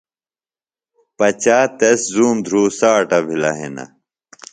پچا تسی زُوم دھرُوساٹہ بِھلہ ہنہ